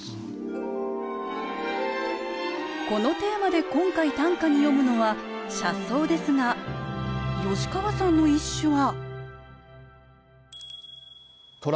このテーマで今回短歌に詠むのは「車窓」ですが吉川さんの一首は？